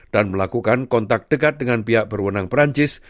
dan melakukan kontak dekat dengan pihak berwenang perancis